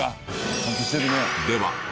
ちゃんとしてるね。